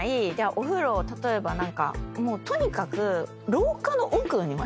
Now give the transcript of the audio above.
お風呂例えば何かもうとにかく。